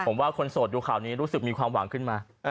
ผมว่าคนโสดดูข่าวนี้รู้สึกมีความหวังขึ้นมา